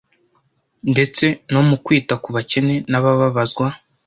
ndetse no mu kwita ku bakene n’abababazwa,